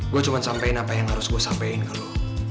gue cuma sampein apa yang harus gue sampein kalau